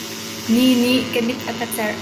Ni nih ka mit a ka cerh.